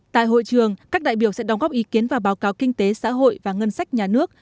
tại hội trường các đại biểu sẽ đóng góp ý kiến và báo cáo kinh tế xã hội và ngân sách nhà nước